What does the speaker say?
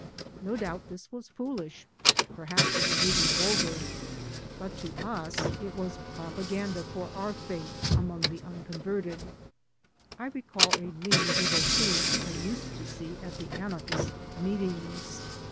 No doubt this was foolish — ^perhaps it was even vulgar — ^but to us it was propaganda for our faith among the unconverted. I recall a lean devotee I used to see at the anarchist meetings.